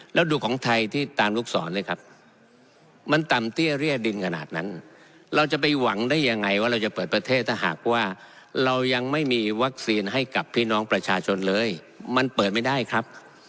แล้วดูของไทยที่ตามลูกศรเลยครับมันต่ำเตี้ยเรียดินขนาดนั้นเราจะไปหวังได้ยังไงว่าเราจะเปิดประเทศถ้าหากว่าเรายังไม่มีวัคซีนให้กับพี่น้องประชาชนเลยมันเปิดไม่ได้ครับ